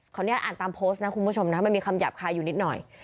อนุญาตอ่านตามโพสต์นะคุณผู้ชมนะมันมีคำหยาบคายอยู่นิดหน่อย